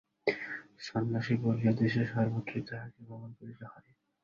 সন্ন্যাসী বলিয়া দেশের সর্বত্রই তাঁহাকে ভ্রমণ করিতে হয়।